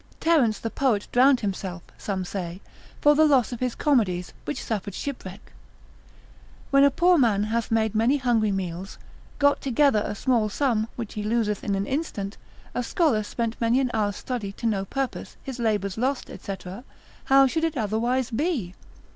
Terence the poet drowned himself (some say) for the loss of his comedies, which suffered shipwreck. When a poor man hath made many hungry meals, got together a small sum, which he loseth in an instant; a scholar spent many an hour's study to no purpose, his labours lost, &c., how should it otherwise be?